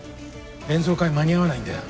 演奏会間に合わないんだよ。